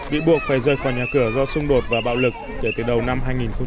bị buộc phải rời khỏi nhà cửa do xung đột và bạo lực kể từ đầu năm hai nghìn một mươi